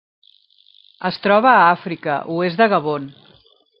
Es troba a Àfrica: oest de Gabon.